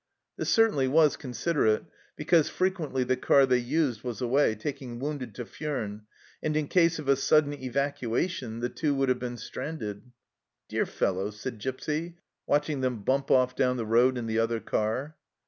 This certainly was considerate, because frequently the car they used was away, taking wounded to Furnes, and in case of a sudden evacuation the TW T O would have been stranded. " Dear fellows," said Gipsy, watching them bump off down the road in the other car.